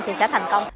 thì sẽ thành công